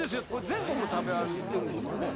全国食べ歩いてるんですよね？